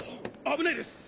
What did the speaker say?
危ないです！